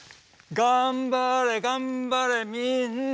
頑張れ頑張れみんな！